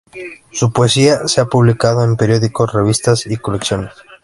Su poesía se ha publicado en periódicos, revistas y colecciones.